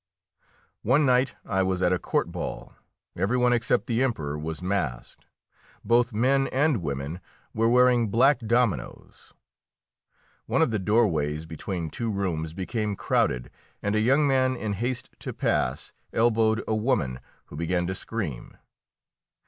One night I was at a court ball; every one except the Emperor was masked, both men and women wearing black dominos. One of the doorways between two rooms became crowded, and a young man in haste to pass elbowed a woman, who began to scream.